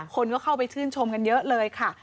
คนก็เข้าไปชื่นชมกันเยอะเลยค่ะ